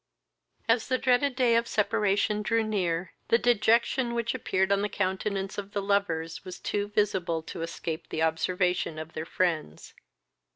As the dreaded day of separation drew near, the dejection which appeared on the countenance of the lovers was too visible to escape the observation of their friends.